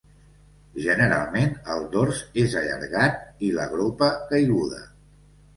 Generalment, el dors és allargat i la gropa caiguda.